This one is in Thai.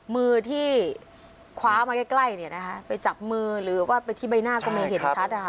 มือที่คว้ามาใกล้เนี่ยนะคะไปจับมือหรือว่าไปที่ใบหน้าก็ไม่เห็นชัดนะคะ